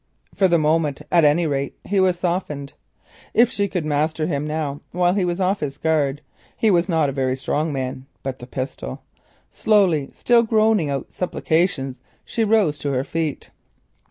For the moment, at any rate, he was softened. If she could master him now while he was off his guard—he was not a very strong man! But the pistol—— Slowly, still groaning out supplications, she rose to her feet.